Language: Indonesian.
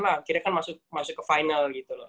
akhirnya kan masuk ke final gitu loh